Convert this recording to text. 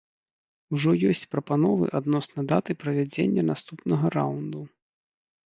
Ужо есць прапановы адносна даты правядзення наступнага раўнду.